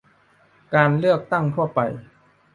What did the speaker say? การเลือกตั้งทั่วไป